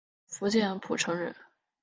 福建浦城人。